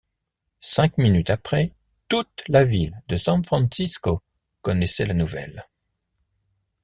Cinq minutes après, toute la ville de San Francisco connaissait la nouvelle.